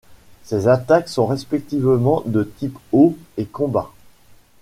Ces attaques sont respectivement de types eau et combat.